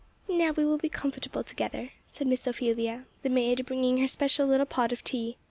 "Now we will be comfortable together," said Miss Ophelia, the maid bringing her special little pot of tea.